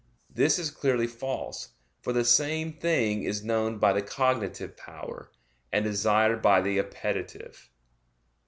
This is clearly false; for the same thing is known by the cognitive power, and desired by the appetitive.